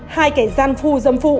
hai kẻ gian phu dâm phụ